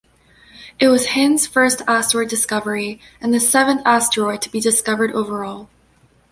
It was Hind's first asteroid discovery and the seventh asteroid to be discovered overall.